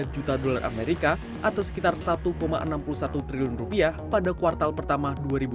satu ratus sepuluh tiga juta dolar amerika atau sekitar satu enam puluh satu triliun rupiah pada kuartal pertama dua ribu dua puluh tiga